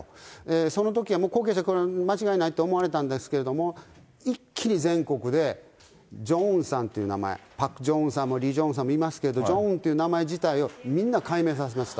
そのときはもう後継者間違いないと思われたんですけれども、一気に全国で、ジョンウンさんという名前、パク・ジョウンさんもリ・ジョンウンさんもいますけれども、ジョンウンという名前自体を、みんな改名させました。